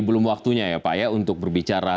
belum waktunya ya pak ya untuk berbicara